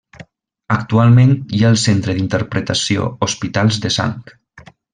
Actualment hi ha el Centre d’Interpretació Hospitals de Sang.